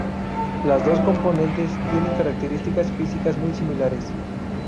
Las dos componentes tienen características físicas muy similares.